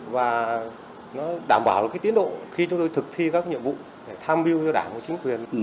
và nó đảm bảo tiến độ khi chúng tôi thực thi các nhiệm vụ để tham mưu cho đảng và chính quyền